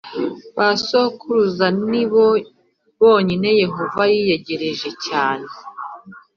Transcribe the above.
Ba sokuruza ni bo bonyine Yehova yiyegereje cyane